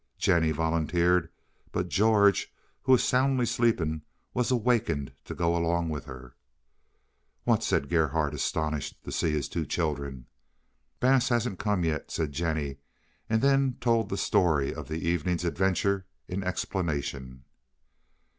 Jennie volunteered, but George, who was soundly sleeping, was awakened to go along with her. "What!" said Gerhardt, astonished to see his two children. "Bass hasn't come yet," said Jennie, and then told the story of the evening's adventure in explanation.